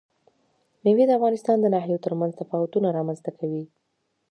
مېوې د افغانستان د ناحیو ترمنځ تفاوتونه رامنځ ته کوي.